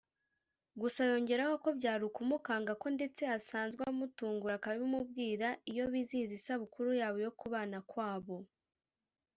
gusa yongeraho ko byari ukumukanga ko ndetse asanzwe amutungura akabimubwira iyo bizihiza isabukuru yabo yo kubana kwabo